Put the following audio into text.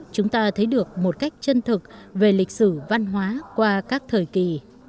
chúng ta thấy được một cách chân thực về lịch sử văn hóa qua các thời kỳ